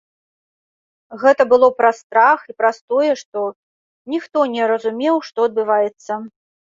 Гэта было праз страх і праз тое, што ніхто не разумеў, што адбываецца.